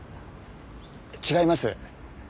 違います。